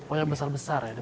oh yang besar besar ya